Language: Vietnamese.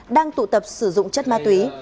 đang tụ tập sử dụng chất ma túy